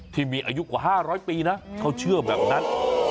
ที่มีอายุกว่า๕๐๐ปีนะเขาเชื่อแบบนั้น